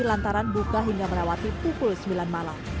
lantaran buka hingga melewati pukul sembilan malam